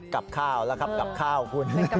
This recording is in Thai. กลับข้าวแลอบกลับข้าวเพื่อนคุณ